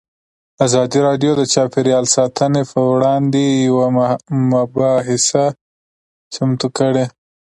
ازادي راډیو د چاپیریال ساتنه پر وړاندې یوه مباحثه چمتو کړې.